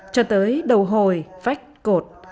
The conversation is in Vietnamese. cho tới đầu hồi vách cột